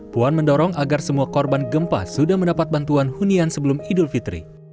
puan mendorong agar semua korban gempa sudah mendapat bantuan hunian sebelum idul fitri